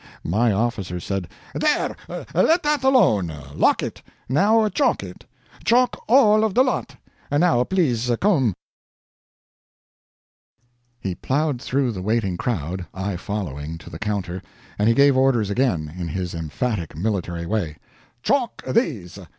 My officer said: "There, let that alone! Lock it. Now chalk it. Chalk all of the lot. Now please come and show me the hand baggage." He plowed through the waiting crowd, I following, to the counter, and he gave orders again, in his emphatic military way: "Chalk these.